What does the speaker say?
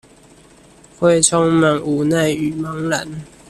會充滿無奈與茫然